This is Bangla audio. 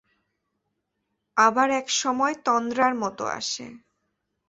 আবার একসময় তন্দ্রার মতো আসে।